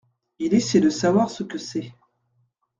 Il essaye de savoir ce que c’est.